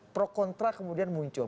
pro kontra kemudian muncul